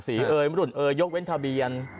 เอ่ยมรุ่นเอยยกเว้นทะเบียน